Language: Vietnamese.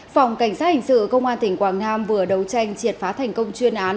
phòng cảnh sát hình sự công an tỉnh quảng nam vừa đấu tranh triệt phá thành công chuyên án